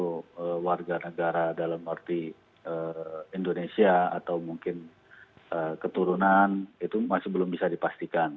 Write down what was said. atau warga negara dalam arti indonesia atau mungkin keturunan itu masih belum bisa dipastikan